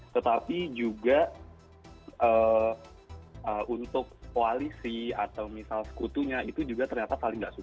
tetapi juga untuk koalisi atau misal sekutunya itu juga ternyata paling tidak suka